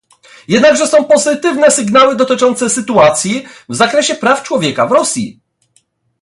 Jednakże są pozytywne sygnały dotyczące sytuacji w zakresie praw człowieka w Rosji